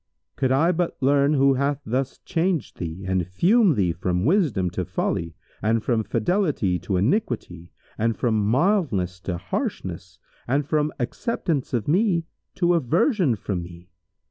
Could I but learn who hath thus changed thee and fumed thee from wisdom to folly and from fidelity to iniquity and from mildness to harshness and from acceptation of me to aversion from me!